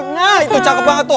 nah itu cakep banget tuh